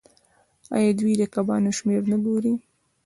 آیا دوی د کبانو شمیر نه ګوري؟